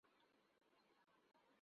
তবে এ চিঠিটি কখনো দেখা যায়নি।